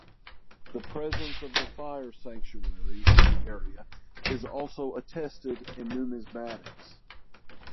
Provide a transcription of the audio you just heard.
The presence of the fire sanctuary in the area is also attested in numismatics.